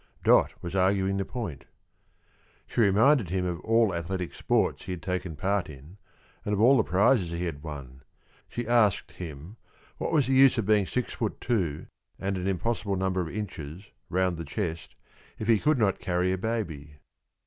Dot was arguing the point. She reminded him of all athletic sports he had taken part in, and of all the prizes he had won; she asked him what was the use of being six foot two and an impossible number of inches round the chest if he could not carry a baby.